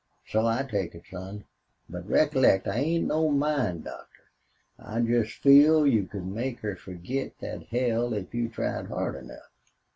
"So I take it, son. But recollect I ain't no mind doctor. I jest feel you could make her fergit thet hell if you tried hard enough."